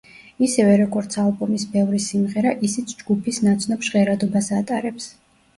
ისევე, როგორც ალბომის ბევრი სიმღერა, ისიც ჯგუფის ნაცნობ ჟღერადობას ატარებს.